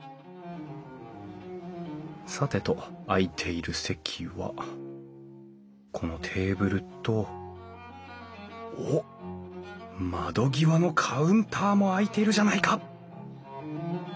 さてと空いている席はこのテーブルとおっ窓際のカウンターも空いているじゃないか！